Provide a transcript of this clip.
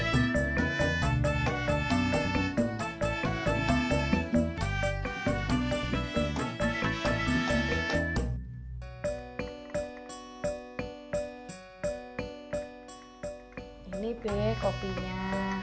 ini be kopinya